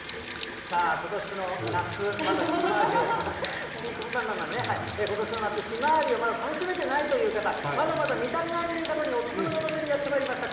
さあ、ことしの夏、まだひまわりを、まあまあまあ、ね、ことしの夏、ひまわりをまだ楽しめてないという方、まだまだ見足りないという方にお勧めの場所にやってまいりました。